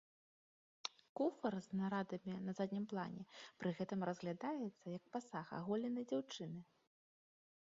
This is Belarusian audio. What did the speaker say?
Куфар з нарадамі на заднім плане пры гэтым разглядаецца як пасаг аголенай дзяўчыны.